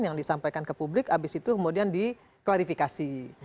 yang disampaikan ke publik habis itu kemudian diklarifikasi